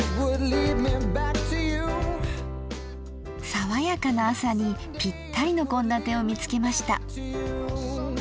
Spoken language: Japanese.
さわやかな朝にぴったりの献立を見つけました。